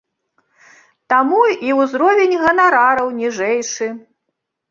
Таму і ўзровень ганарараў ніжэйшы.